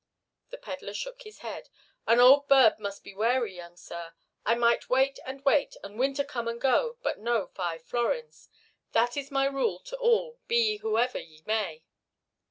The pedler shook his head. "An old bird must be wary, young sir. I might wait and wait and winter come and go, but no five florins. That is my rule to all, be ye whoever ye may."